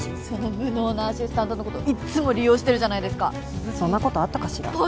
その無能なアシスタントのこといつも利用してるじゃないですか鈴木そんなことあったかしら？